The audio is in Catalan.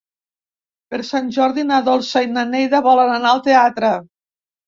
Per Sant Jordi na Dolça i na Neida volen anar al teatre.